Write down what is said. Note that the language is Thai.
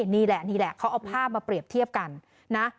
นี่แหละนี่แหละเขาเอาภาพมาเปรียบเทียบกันนะ